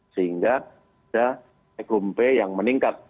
sehingga ada eklumpe yang meningkat